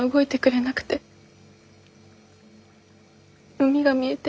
海が見えて。